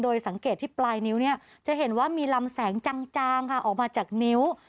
สังเกตที่ปลายนิ้วเนี่ยจะเห็นว่ามีลำแสงจางค่ะออกมาจากนิ้ว